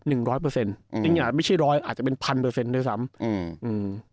อืมไม่ใช่ร้อยอาจจะเป็นพันเปอร์เซ็นต์ด้วยซ้ำอืมเออ